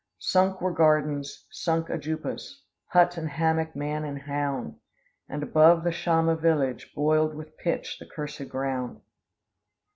Sunk were gardens, sunk ajoupas, Hut and hammock, man and hound, And above the Chayma village, Boiled with pitch the cursed ground."